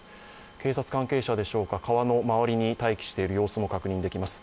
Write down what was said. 警察関係者でしょうか、川の周りに待機している様子も確認できます。